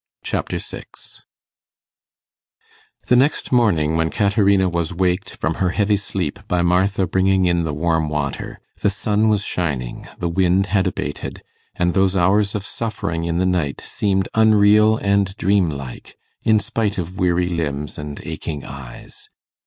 Chapter 6 The next morning, when Caterina was waked from her heavy sleep by Martha bringing in the warm water, the sun was shining, the wind had abated, and those hours of suffering in the night seemed unreal and dreamlike, in spite of weary limbs and aching eyes.